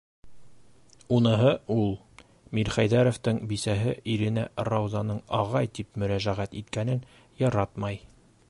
Уныһы - ул, Мирхәйҙәровтың бисәһе иренә Раузаның «ағай» тип мөрәжәғәт иткәнен яратмай.